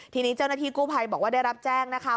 ทีนี้เจ้าหน้าที่กู้ภัยบอกว่าได้รับแจ้งนะคะ